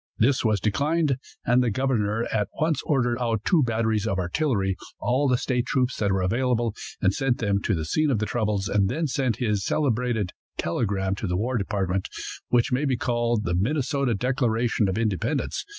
This was declined, and the governor at once ordered out two batteries of artillery, all the state troops that were available, and sent them to the scene of the troubles, and then sent his celebrated telegram to the war department, which may be called the "Minnesota Declaration of Independence."